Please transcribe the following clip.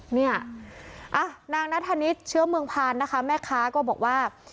เนี่ยนางนัทธนิษฐ์เชื้อเมืองพานนะคะแม่ค้าก็บอกว่า